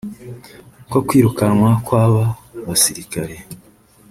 ko kwirukanwa kw’aba basirikari